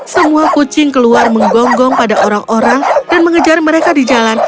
semua kucing keluar menggonggong pada orang orang dan mengejar mereka di jalan